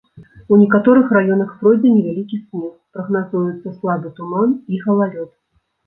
У некаторых раёнах пройдзе невялікі снег, прагназуюцца слабы туман і галалёд.